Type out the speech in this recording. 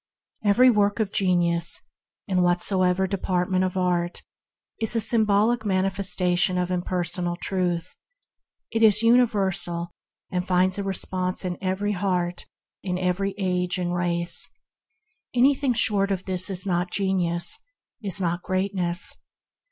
Every work of genius, in whatsoever department of art, is a symbolic manifest ation of impersonal Truth. It is universal, and finds a response in every heart in every age and race. Anything short of this is not genius, is not greatness.